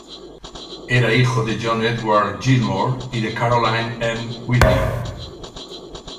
Era hijo de John Edward Gilmore y de Caroline M. Whitney.